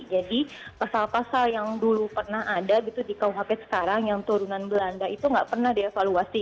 jadi pasal pasal yang dulu pernah ada di rkuhp sekarang yang turunan belanda itu nggak pernah dia evaluasi